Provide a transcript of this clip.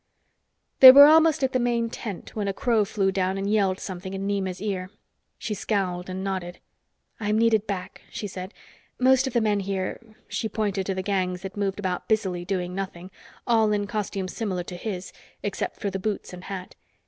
They were almost at the main tent when a crow flew down and yelled something in Nema's ear. She scowled, and nodded. "I'm needed back," she said. "Most of the men here " She pointed to the gangs that moved about busily doing nothing, all in costumes similar to his, except for the boots and hat.